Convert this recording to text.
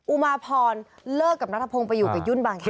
อุมาพรเลิกกับนัทพงศ์ไปอยู่กับยุ่นบางแค